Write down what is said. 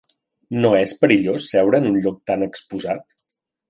No és perillós seure en un lloc tan exposat?